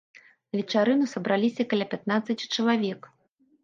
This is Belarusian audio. На вечарыну сабраліся каля пятнаццаці чалавек.